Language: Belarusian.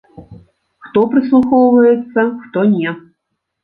Хто прыслухоўваецца, хто не.